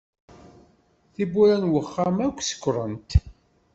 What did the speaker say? Tiwwura n wexxam akk sekkṛent.